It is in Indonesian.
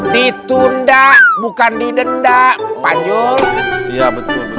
ditunda bukan didenda panjol ya betul betul